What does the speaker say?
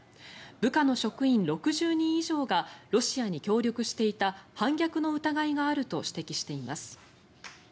部下の職員６０人以上がロシアに協力していた反逆の疑いがあると指摘しています。